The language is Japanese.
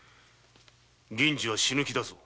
銀次は死ぬ気だぞ。